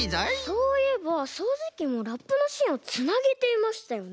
そういえばそうじきもラップのしんをつなげていましたよね。